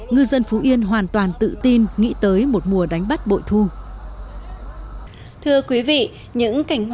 ngư dân phú yên hoàn toàn tự tin nghĩ tới một mùa đánh bắt bội thu